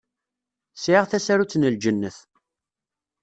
Sɛiɣ tasarut n Ljennet.